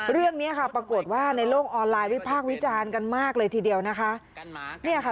เรื่องนี้ค่ะปรากฏว่าในโลกออนไลน์วิพากษ์วิจารณ์กันมากเลยทีเดียวนะคะ